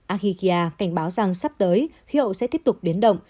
aghikia cảnh báo rằng sắp tới khí hậu sẽ tiếp tục biến động